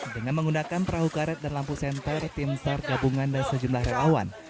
dengan menggunakan perahu karet dan lampu senter tim sar gabungan dan sejumlah relawan